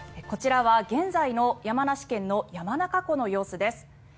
こちらは現在の山梨県の山中湖の様子です。